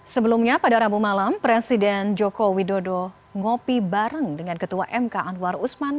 sebelumnya pada rabu malam presiden joko widodo ngopi bareng dengan ketua mk anwar usman